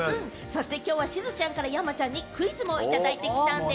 そして今日はしずちゃんから山ちゃんにクイズもいただいてきたんでぃす。